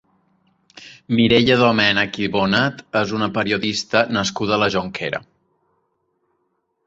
Mireia Domènech i Bonet és una periodista nascuda a la Jonquera.